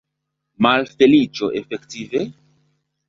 Malfeliĉo, efektive?